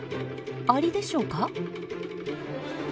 アリでしょうか？